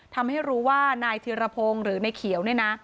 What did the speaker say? ทำให้รู้ว่านายธิรพงศ์หรือในเขียวเนี่ยนะ